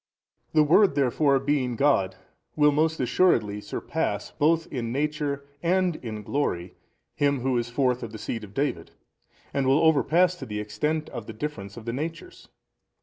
A. The Word therefore being God will most assuredly surpass both in Nature and in glory him who is forth of |271 the seed of David and will overpass to the extent of the difference of the natures.